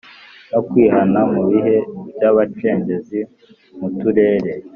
no kwihana mu bihe by abacengezi mu turere